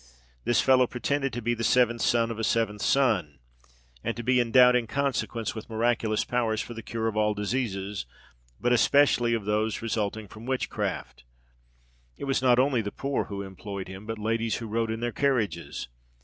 This fellow pretended to be the seventh son of a seventh son, and to be endowed in consequence with miraculous powers for the cure of all diseases, but especially of those resulting from witchcraft. It was not only the poor who employed him, but ladies who rode in their carriages.